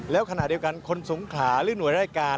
แล้วขณะเดียวกันคนสงขาหรือหน่วยรายการ